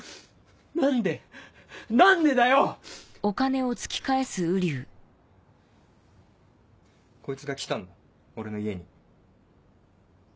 何で何でだよ！こいつが来たんだ俺の家に。